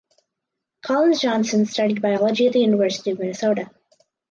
Collins Johnson studied biology at the University of Minnesota.